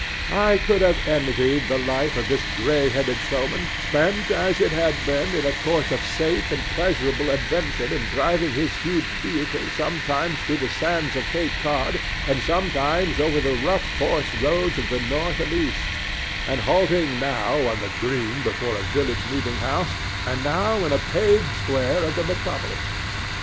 I could have envied the life of this gray headed showman, spent as it had been in a course of safe and pleasurable adventure in driving his huge vehicle sometimes through the sands of Cape Cod and sometimes over the rough forest roads of the north and east, and halting now on the green before a village meeting house and now in a paved square of the metropolis.